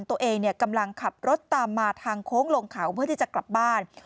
ตัวเองกำลังขับรถตามมาทางโค้งลงเขาเพื่อที่จะกลับบ้าน